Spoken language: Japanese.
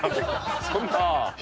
そんな。